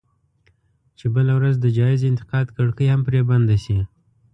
چې بله ورځ د جايز انتقاد کړکۍ هم پرې بنده شي.